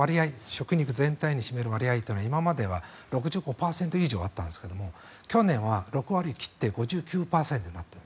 食肉全体に占める割合は今までは６５％以上あったんですが去年は６割を切って５９％になった。